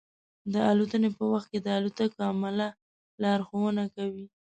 د الوتنې په وخت کې د الوتکې عمله لارښوونه کوي.